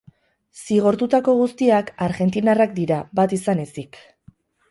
Zigortutako guztiak argentinarrak dira bat izan ezik.